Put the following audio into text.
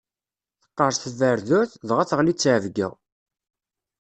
Teqqerṣ tberduɛt, dɣa teɣli tteɛbeyya.